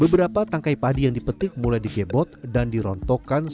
beberapa tangkai padi yang dipetik mulai digebot dan dirontokkan ke dalam kubur